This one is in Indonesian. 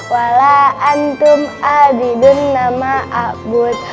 wala'antum abidun nama'abud